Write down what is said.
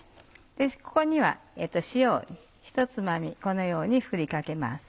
ここには塩をひとつまみこのように振りかけます。